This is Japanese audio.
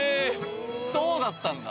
そうだったんだ。